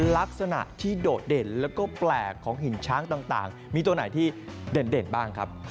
ลักษณะที่โดดเด่นแล้วก็แปลกของหินช้างต่างมีตัวไหนที่เด่นบ้างครับ